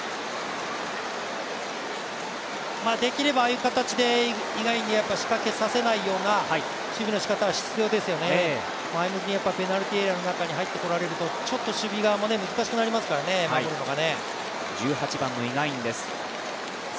できればああいう形でイ・ガンインに仕掛けさせないような守備の仕方が必要ですよね、前向きにペナルティーエリアの中に入ってこられるとちょっと守備側も難しくなりますからね、守るのが。